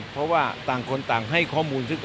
เพราะว่าต่างคนต่างให้ข้อมูลซึ่งกัน